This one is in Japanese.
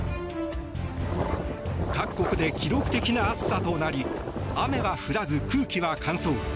各国で記録的な暑さとなり雨が降らず空気は乾燥。